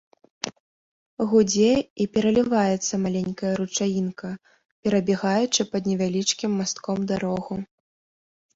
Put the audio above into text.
Гудзе і пераліваецца маленькая ручаінка, перабягаючы пад невялічкім мастком дарогу.